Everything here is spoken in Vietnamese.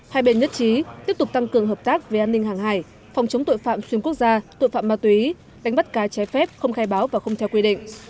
hai bên nhất trí tiếp tục tăng cường hợp tác về an ninh hàng hải phòng chống tội phạm xuyên quốc gia tội phạm ma túy đánh bắt cá trái phép không khai báo và không theo quy định